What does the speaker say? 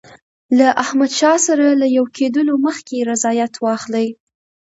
له احمدشاه سره له یو کېدلو مخکي رضایت واخلي.